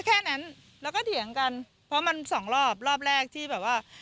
ก็แค่แอนแล้วก็ถี่ยังกันพอสองรอบเล่าแรกที่แบบว่า